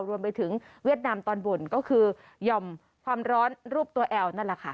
เวียดนามตอนบนก็คือหย่อมความร้อนรูปตัวแอลนั่นแหละค่ะ